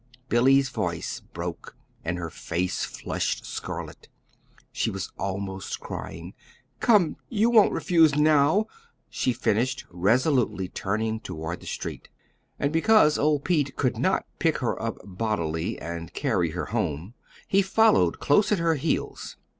Billy's voice broke, and her face flushed scarlet. She was almost crying. "Come, you won't refuse now!" she finished, resolutely turning toward the street. And because old Pete could not pick her up bodily and carry her home, he followed close at her heels.